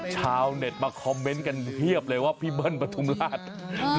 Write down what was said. ชาวเน็ตมาคอมเมนต์กันเพียบเลยว่าพี่เบิ้ลปฐุมราช